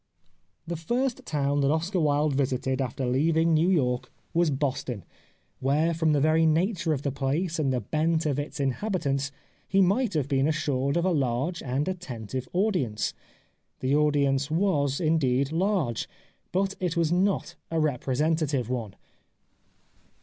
The first town that Oscar Wilde visited after leaving New York was Boston, where from the very nature of the place and the bent of its in habitants he might have been assured of a large and attentive audience. The audience was, in deed, large, but it was not a representative one.